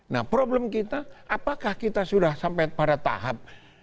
nah problem kita apakah kita sudah sampai pada tahap